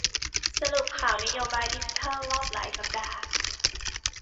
สรุปข่าวนโยบายดิจิทัลรอบหลายสัปดาห์